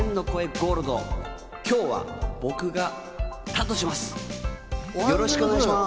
ゴールド、今日は僕が担当します。